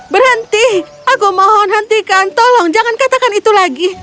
berhenti aku mohon hentikan tolong jangan katakan itu lagi